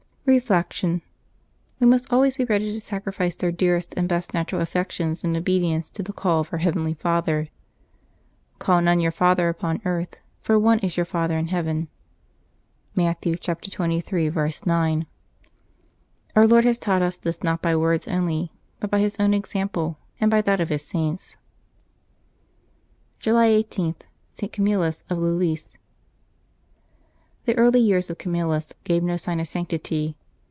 Reflection. — We must always be ready to sacrifice our dearest and 'best natural affections in obedience to the call of our heavenly Father. ^^ Call none your father upon earth, for one is your Father in heaven" (Matt, xxiii. 9). Our Lord has taught us this not by words only, but by His own example and by that of His Saints. July i8.— ST. CAMILLUS OF LELLIS. ^^HE early years of Camillus gave no sign of sanctity.